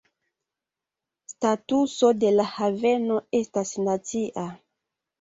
Statuso de la haveno estas "nacia".